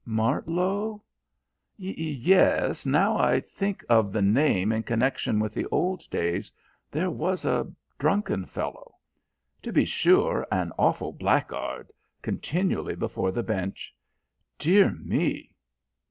"Martlow? Yes, now I think of the name in connection with the old days, there was a drunken fellow. To be sure, an awful blackguard, continually before the bench. Dear me!